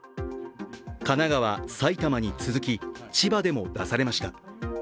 神奈川、埼玉に続き、千葉でも出されました。